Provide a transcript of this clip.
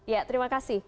ya terima kasih